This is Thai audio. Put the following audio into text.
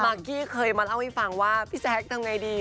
กี้เคยมาเล่าให้ฟังว่าพี่แจ๊คทำไงดี